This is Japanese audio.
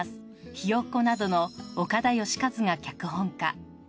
『ひよっこ』などの岡田惠和が脚本化。